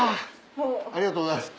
ありがとうございます。